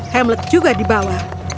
hamlet juga di bawah